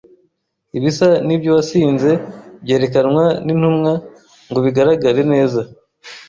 Ibisa n'iby'uwasinze byerekanwa n'intumwa ngo bigaragare neza